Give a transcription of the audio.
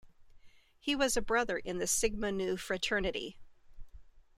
He was a brother in the Sigma Nu Fraternity.